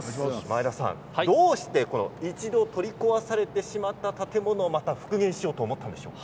どうしてこの一度取り壊されてしまった建物をまた復元しようと思ったんですか。